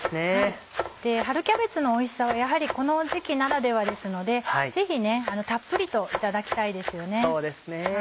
春キャベツのおいしさはやはりこの時期ならではですのでぜひたっぷりといただきたいですよね。